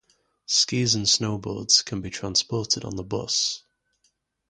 Skis and snowboards can be transported on the bus.